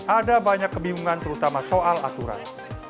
ada banyak kebingungan terutama soal aturan